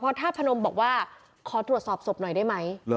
ธาตุพนมบอกว่าขอตรวจสอบศพหน่อยได้ไหม